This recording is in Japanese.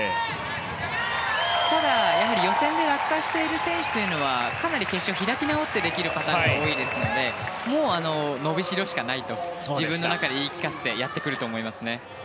ただ、予選で落下している選手というのはかなり決勝は開き直ってできるパターンがあるのでもう、伸びしろしかないと自分の中で言い聞かせてやってくると思いますね。